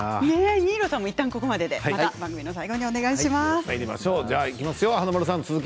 新納さんもいったんここまででまた番組の最後でお願いします。